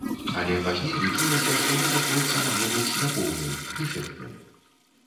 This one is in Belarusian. Але пазней лічылася, што гэта кольца магло быць няпоўным, дэфектным.